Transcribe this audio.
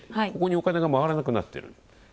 ここにお金が回らなくなってる。